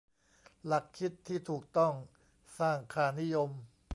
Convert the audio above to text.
หลักคิดที่ถูกต้องสร้างค่านิยม